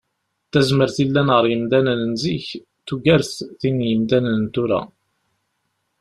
Tazmert yellan ɣer yemdanen n zik, tugart tin n yemdanen n tura